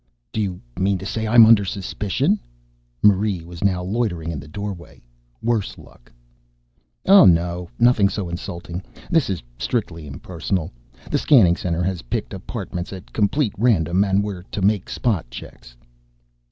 "Do you mean to say I am under suspicion?" Marie was now loitering in the doorway, worse luck. "Oh, no. Nothing so insulting. This is strictly impersonal. The Scanning Center has picked apartments at complete random and we're to make spot checks."